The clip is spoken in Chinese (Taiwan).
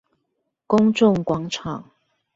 公眾廣場